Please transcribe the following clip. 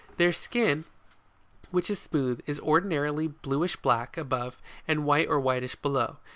Their skin, which is smooth, is ordinarily bluish black above, and white or whitish below.